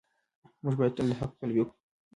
موږ باید تل د حق پلوي وکړو.